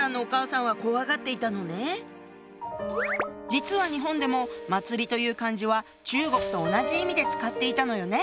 実は日本でも「祭」という漢字は中国と同じ意味で使っていたのよね